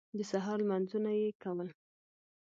د سهار لمونځونه یې کول.